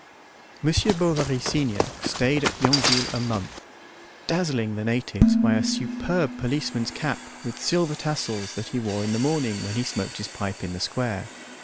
Monsieur Bovary, senior, stayed at Yonville a month, dazzling the natives by a superb policeman's cap with silver tassels that he wore in the morning when he smoked his pipe in the square.